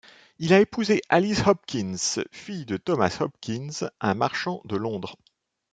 Il a épousé Alice Hopkins, fille de Thomas Hopkins, un marchand de Londres.